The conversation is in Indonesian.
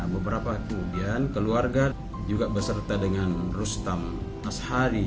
beberapa kemudian keluarga juga beserta dengan rustam ashari